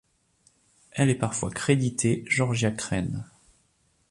Elle est parfois créditée Georgia Craine.